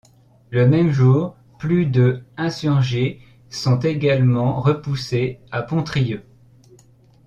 Le même jour plus de insurgés sont également repoussés à Pontrieux.